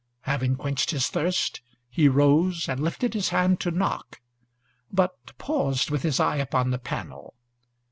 Having quenched his thirst, he rose and lifted his hand to knock, but paused with his eye upon the panel.